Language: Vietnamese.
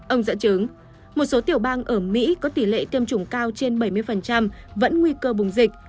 ông dẫn chứng một số tiểu bang ở mỹ có tỷ lệ tiêm chủng cao trên bảy mươi vẫn nguy cơ bùng dịch